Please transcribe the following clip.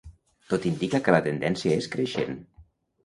Tot indica que la tendència és creixent.